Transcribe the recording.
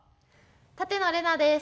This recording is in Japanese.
舘野伶奈です。